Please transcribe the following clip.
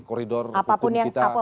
koridor hukum kita